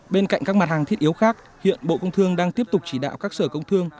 bên cạnh các mặt hàng thiết yếu khác hiện bộ công thương đang tiếp tục chỉ đạo các sở công thương